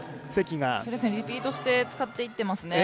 リピートして使っていっていますね。